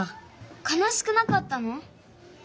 かなしくなかったの？